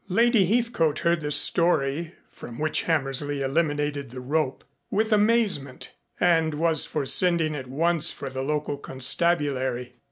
Lady Heathcote heard the story (from which Hammersley eliminated the rope) with amazement, and was for sending at once for the local constabulary.